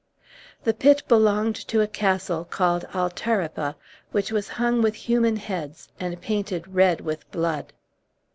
The pit belonged to a castle called Altaripa, which was hung with human heads, and painted red with blood.